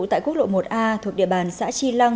tại quốc lộ một a thuộc địa bàn xã tri lăng